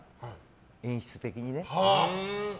演出的にね。